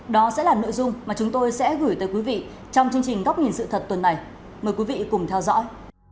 đó sẽ là nội dung mà chúng tôi sẽ gửi tới quý vị trong chương trình góc nhìn sự thật tuần này mời quý vị cùng theo dõi